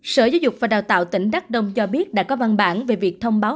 sở giáo dục và đào tạo tỉnh đắk đông cho biết đã có văn bản về việc thông báo